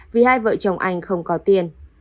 vì hai vợ chồng anh không có tiền